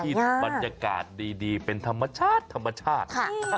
ที่บรรยากาศดีเป็นธรรมชาติ